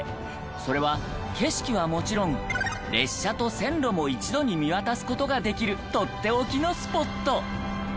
それは景色はもちろん列車と線路も一度に見渡す事ができるとっておきのスポット。